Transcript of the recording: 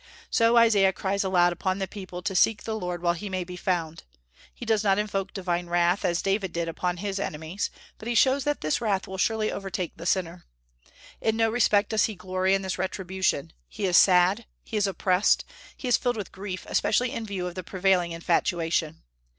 So Isaiah cries aloud upon the people to seek the Lord while he may be found. He does not invoke divine wrath, as David did upon his enemies; but he shows that this wrath will surely overtake the sinner. In no respect does he glory in this retribution: he is sad; he is oppressed; he is filled with grief, especially in view of the prevailing infatuation.